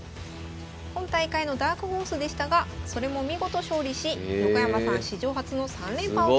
今大会のダークホースでしたがそれも見事勝利し横山さん史上初の３連覇を達成しました。